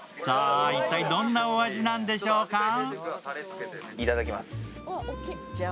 さあ、一体どんな同じなんでしょうか？